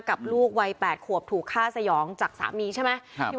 กับลูกวัย๘ขวบถูกฆ่าสยองจากสามีใช่ไหม